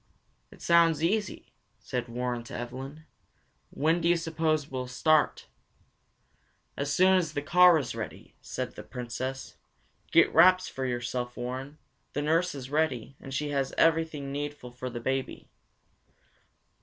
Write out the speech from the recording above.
"It sounds easy," said Warren to Evelyn. "When do you suppose we will start?" "As soon as the car is ready," said the Princess. "Get wraps for yourself, Warren. The nurse is ready, and she has everything needful for the baby."